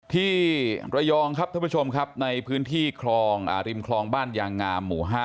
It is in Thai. ที่ระยองครับท่านผู้ชมครับในพื้นที่คลองริมคลองบ้านยางงามหมู่๕